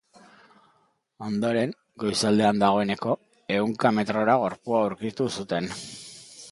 Ondoren, goizaldean dagoeneko, ehunka metrora gorpua aurkitu zuten.